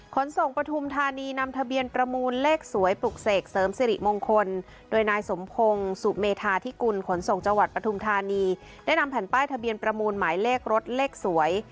ขนส่งปฐุมธานีนำทะเบียนประมูลเลขสวยปลุกเสกเสริมสิริมงคลโดยนายสมพงศ์สุเมธาธิกุลขนส่งจังหวัดปฐุมธานีได้นำแผ่นป้ายทะเบียนประมูลหมายเลขรถเลขสวย